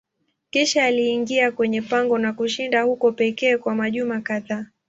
Kisha aliingia kwenye pango na kushinda huko pekee kwa majuma kadhaa.